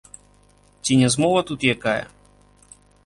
Ці не змова тут якая?